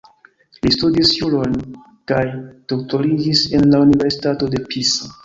Li studis juron kaj doktoriĝis en la Universitato de Pisa.